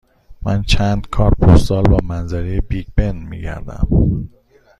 من چند کارت پستال با منظره بیگ بن می گردم.